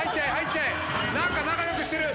何か仲良くしてる！